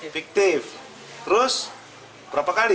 fiktif terus berapa kali